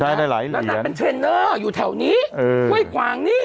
ใช่ได้หลายเหรียญแล้วนางเป็นเทรนเนอร์อยู่แถวนี้เว้ยกวางนี้